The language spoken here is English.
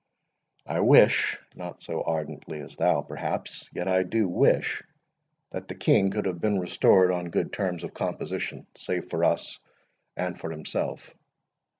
I wish—not so ardently as thou, perhaps—yet I do wish that the King could have been restored on good terms of composition, safe for us and for himself.